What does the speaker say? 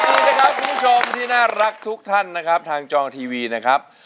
สวัสดีนะครับคุณผู้ชมที่น่ารักทุกท่านนะครับทางจอทีวีนะครับ